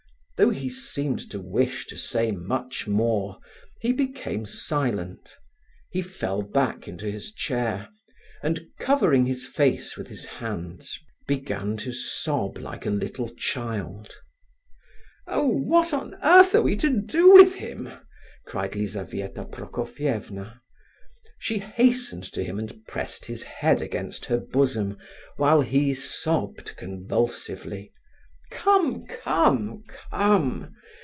Though he seemed to wish to say much more, he became silent. He fell back into his chair, and, covering his face with his hands, began to sob like a little child. "Oh! what on earth are we to do with him?" cried Lizabetha Prokofievna. She hastened to him and pressed his head against her bosom, while he sobbed convulsively. "Come, come, come!